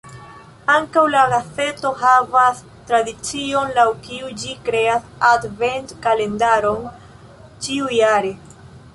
Ankaŭ la gazeto havas tradicion, laŭ kiu ĝi kreas advent-kalendaron ĉiujare.